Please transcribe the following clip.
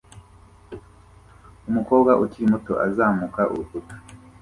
Umukobwa ukiri muto azamuka urukuta